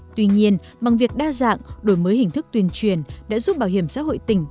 tuy nhiên bằng việc đa dạng đổi mới hình thức tuyên truyền đã giúp bảo hiểm xã hội tỉnh